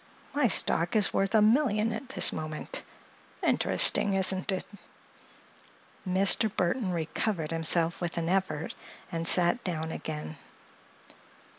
My stock is worth a million at this moment. Interesting, isn't it?" Mr. Burthon recovered himself with an effort and sat down again.